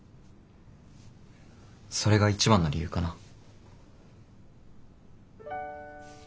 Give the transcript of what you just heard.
それが一番の理由かな。